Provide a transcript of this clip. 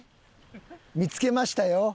見つけましたよ。